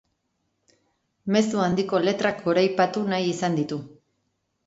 Mezu handiko letrak goraipatu nahi izan ditu.